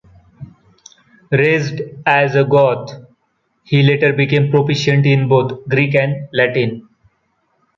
Raised as a Goth, he later became proficient in both Greek and Latin.